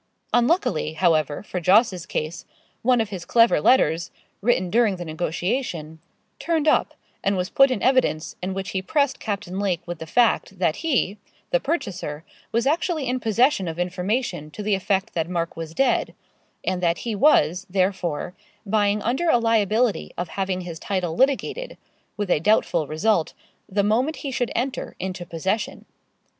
Unluckily, however, for Jos.'s case, one of his clever letters, written during the negotiation, turned up, and was put in evidence, in which he pressed Captain Lake with the fact, that he, the purchaser, was actually in possession of information to the effect that Mark was dead, and that he was, therefore, buying under a liability of having his title litigated, with a doubtful result, the moment he should enter into possession.